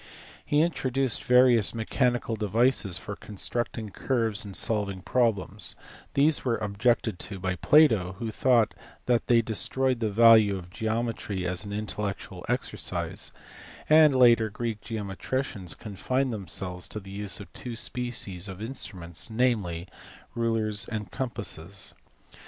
He introduced various mechanical devices for constructing curves and solving problems : these were objected to by Plato, who thought that they destroyed the value of geometry as an intellectual exercise, and later Greek geometricians confined themselves to the use of two species of instruments, namely, rulers and compasses.